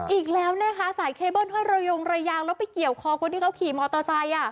อีกแล้วนะคะสายเคเบิ้ลห้อยระยงระยางแล้วไปเกี่ยวคอคนที่เขาขี่มอเตอร์ไซค์